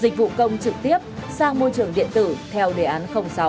dịch vụ công trực tiếp sang môi trường điện tử theo đề án sáu